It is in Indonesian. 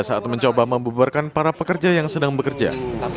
saat mencoba membubarkan para pekerja yang sedang bekerja